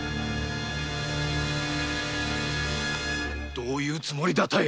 どういうつもりだ多江？